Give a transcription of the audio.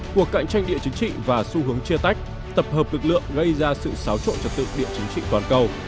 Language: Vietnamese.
cuộc cạnh tranh địa chính trị và xu hướng chia tách tập hợp lực lượng gây ra sự xáo trộn trật tự địa chính trị toàn cầu